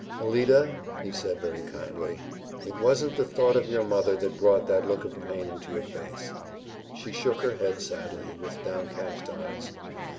"Alida," he said very kindly, "it wasn't the thought of your mother that brought that look of pain into your face." She shook her head sadly, with downcast eyes.